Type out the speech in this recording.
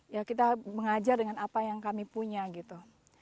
ya kita mengajar dengan apa yang kami punya gitu